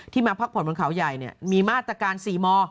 ที่มาพักผ่อนบนขาวใหญ่เนี่ยมีมาตรการ๔ม